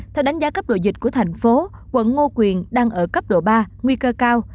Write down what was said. theo đánh giá cấp độ dịch của thành phố quận ngô quyền đang ở cấp độ ba nguy cơ cao